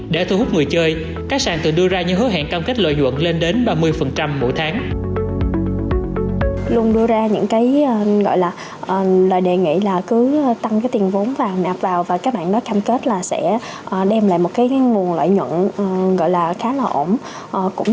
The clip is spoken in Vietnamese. để thu hút người chơi các sàn tự đưa ra những hứa hẹn cam kết lợi nhuận lên đến ba mươi mỗi tháng